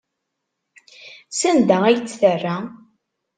Sanda ay tt-terra?